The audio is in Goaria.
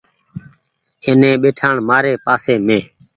ائيني ٻئيٺآڻ مآري پآسي مينٚ